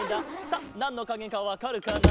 さあなんのかげかわかるかな？